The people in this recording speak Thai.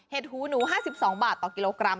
หูหนู๕๒บาทต่อกิโลกรัม